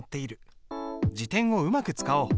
字典をうまく使おう。